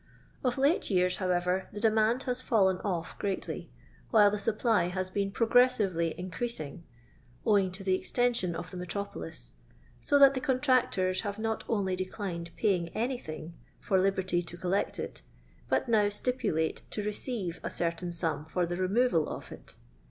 Of late years, howerer, the demand has fallen off greatly, while the supply has been progressively increasing, owing to the extension of the metropolis, so that the i Contractors have not only declined paying any I thing for liberty to collect it, but now stipulate to receive a certain sum for the removal of it.